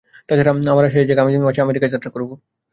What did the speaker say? তা ছাড়া আমার আশা এই যে, আগামী মাসে আমেরিকা যাত্রা করব।